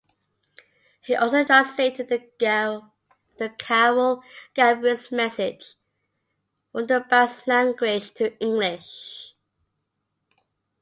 He also translated the carol "Gabriel's Message" from the Basque language to English.